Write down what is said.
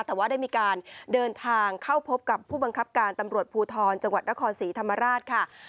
แต่ว่าได้มีการเดินทางเข้าพบกับผู้บังคับการตำรวจภูทรจังหวัดนครศรีธรรมราชค่ะ